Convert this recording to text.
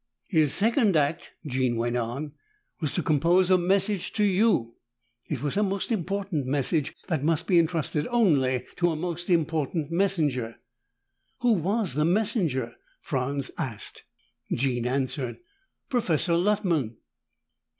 "His second act," Jean went on, "was to compose a message to you. It was a most important message, that must be entrusted only to a most important messenger." "Who was the messenger?" Franz asked. Jean answered, "Professor Luttman."